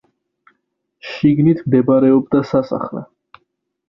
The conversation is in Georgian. შიგნით მდებარეობდა სასახლე.